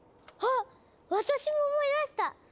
あっ私も思い出した！